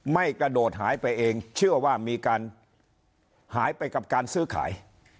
กระโดดหายไปเองเชื่อว่ามีการหายไปกับการซื้อขาย